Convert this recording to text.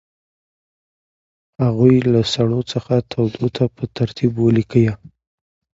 هغوی له سړو څخه تودو ته په ترتیب ولیکئ.